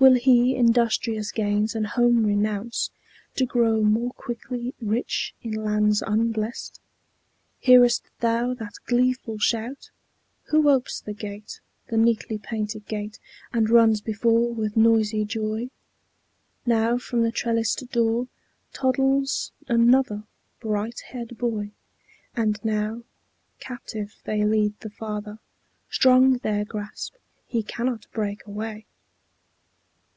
Will he industrious gains and home renounce To grow more quickly rich in lands unblest? Hear'st thou that gleeful shout? Who opes the gate, The neatly painted gate, and runs before With noisy joy? Now from the trellised door Toddles another bright haired boy. And now Captive they lead the father; strong their grasp; He cannot break away.